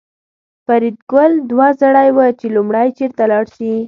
فریدګل دوه زړی و چې لومړی چېرته لاړ شي